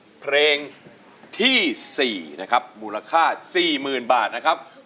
โอ้โหไปทบทวนเนื้อได้โอกาสทองเลยนานทีเดียวเป็นไงครับวาว